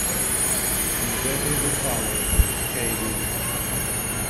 In the decade that followed, k.d.